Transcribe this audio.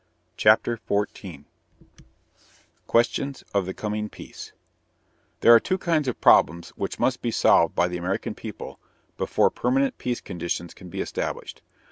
CHAPTER XIV QUESTIONS OF THE COMING PEACE There are two kinds of problems which must be solved by the American people before permanent peace conditions can be established.